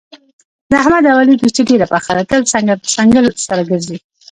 د احمد او علي دوستي ډېره پخه ده، تل څنګل په څنګل سره ګرځي.